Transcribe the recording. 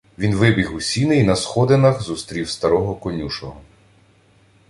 Він вибіг у сіни й на сходинах зустрів старого конюшого.